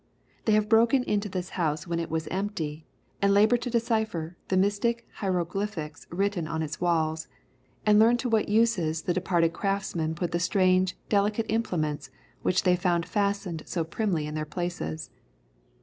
They have broken into this house when it was empty, and laboured to decipher the mystic hieroglyphics written on its walls, and learn to what uses the departed craftsman put the strange, delicate implements which they found fastened so primly in their places.